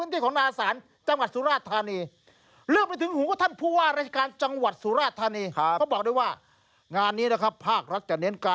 ต้องได้ตั้งผลผลิตมากขึ้น